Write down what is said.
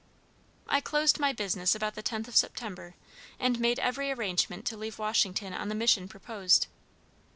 I closed my business about the 10th of September, and made every arrangement to leave Washington on the mission proposed.